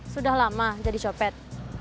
sudah lama jadi copet